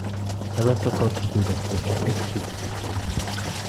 Dabei verfolgten sie jedoch durchaus unterschiedliche Ziele.